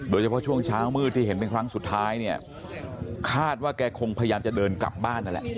โดยเฉพาะช่วงเช้ามืดที่เห็นเป็นครั้งสุดท้ายเนี่ยคาดว่าแกคงพยายามจะเดินกลับบ้านนั่นแหละ